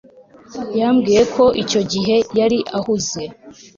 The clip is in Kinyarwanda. Yambwiye ko icyo gihe yari ahuze